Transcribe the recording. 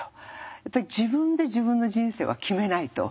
やっぱり自分で自分の人生は決めないと。